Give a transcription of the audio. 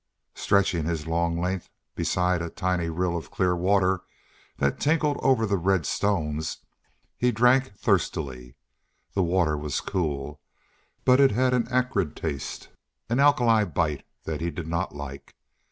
Stretching his long length beside a tiny rill of clear water that tinkled over the red stones, he drank thirstily. The water was cool, but it had an acrid taste an alkali bite that he did not like.